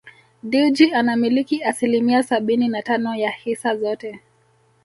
Dewji anamiliki asilimia sabini na tano ya hisa zote